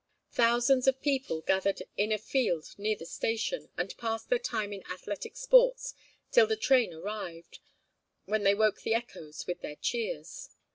Thousands of people gathered in a field near the station, and passed their time in athletic sports till the train arrived, when they woke the echoes with their cheers.